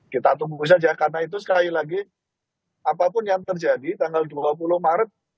kita tunggu saja karena itu sekali lagi apapun yang terjadi tanggal dua puluh maret